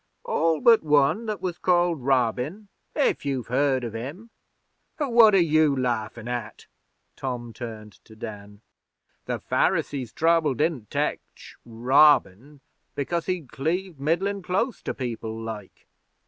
'All but one that was called Robin if you've heard of him. What are you laughin' at?' Tom turned to Dan. 'The Pharisees's trouble didn't tech Robin, because he'd cleaved middlin' close to people, like.